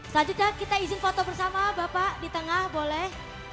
selanjutnya kita izin foto bersama bapak di tengah boleh